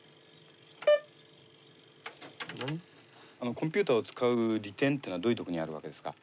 コンピューターを使う利点っていうのはどういうとこにあるわけですか？